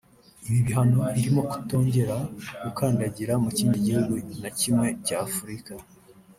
Ibi bihano birimo kutongera gukandagira mu kindi gihugu na kimwe cya Afrika